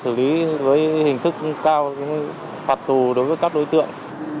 sử lý rất nhiều đối tượng gian đe và sử lý với hình thức cao hoạt tù đối với các đối tượng